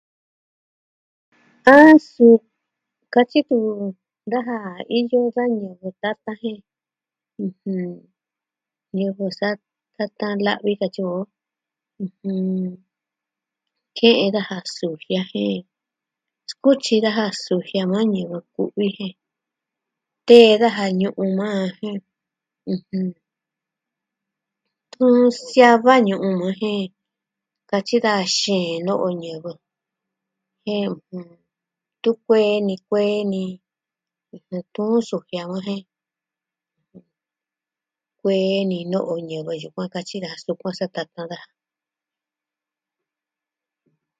A su katyi tu'un daja iyo da ñɨvɨ tata jɨn... ñɨvɨ sa'a tata la'vi katyi o ɨjɨn... ke'en daja sujia je skuityi daja sujia nuu ñivɨ ku'vi ji tee daja ñu'un maa jen ɨjɨn... tu... siava ñu'un nujie. katyi da xii nɨ'ɨ ñɨvɨ jen tu kuee ni kuee ni ɨjɨn tu xujia ni jen kuee ni nɨ'ɨ ñɨvɨ yukuan katyi da sukuan sa kata daja.